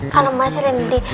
kalau mas randy